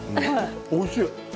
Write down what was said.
おいしい。